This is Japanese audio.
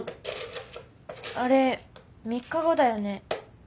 あれ３日後だよね？